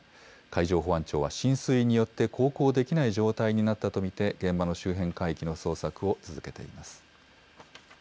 海上保安庁は、浸水によって航行できない状態になったと見て、現場の周辺海域の捜索を続けています。